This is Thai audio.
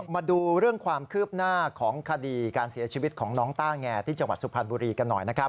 มาดูเรื่องความคืบหน้าของคดีการเสียชีวิตของน้องต้าแงที่จังหวัดสุพรรณบุรีกันหน่อยนะครับ